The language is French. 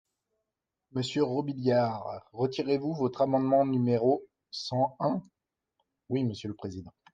Monsieur Robiliard, retirez-vous votre amendement numéro cent un ? Oui, monsieur le président.